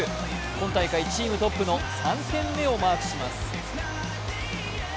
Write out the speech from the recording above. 今大会チームトップの３点目をマークします。